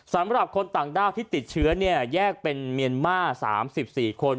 สำหรับคนต่างด้าวที่ติดเชื้อแยกเป็นเมียนมาร์๓๔คน